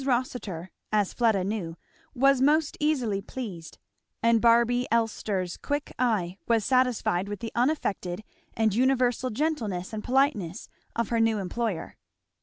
Rossitur, as Fleda knew, was most easily pleased; and Barby Elster's quick eye was satisfied with the unaffected and universal gentleness and politeness of her new employer.